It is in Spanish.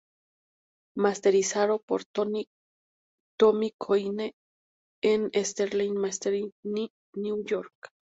Masterizado por: Tom Coyne en Sterling Mastering Ny, New York.